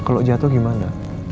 kalau jatuh gimana